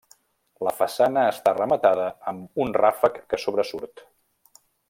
La façana està rematada amb un ràfec que sobresurt.